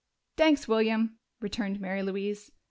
"Thanks, William," returned Mary Louise.